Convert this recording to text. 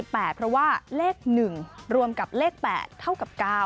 เพราะว่าเลข๑รวมกับเลข๘เท่ากับ๙